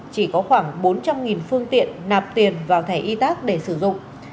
chỉ có khoảng bốn trăm linh phương tiện nạp tiền vào thẻ y tát để sử dụng